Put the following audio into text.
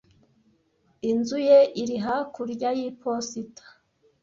Inzu ye iri hakurya y’iposita.